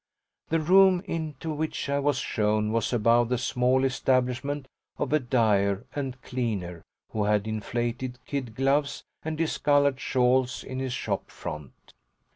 The room into which I was shown was above the small establishment of a dyer and cleaner who had inflated kid gloves and discoloured shawls in his shop front.